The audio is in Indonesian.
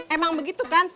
emang begitu kan